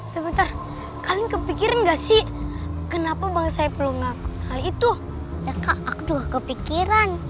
temen temen kalian kepikiran enggak sih kenapa bangsa perlu ngaku itu aku kepikiran